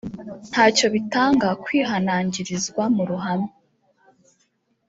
ntacyo bitanga kwihanangirizwa mu ruhame